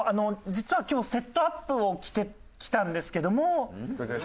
実は今日セットアップを着てきたんですけども。